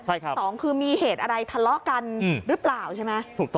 สองคือมีเหตุอะไรทะเลาะกันหรือเปล่าใช่ไหม